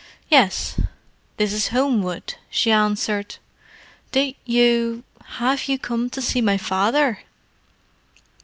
"Yes, this is Homewood," she answered. "Did you—have you come to see my father?"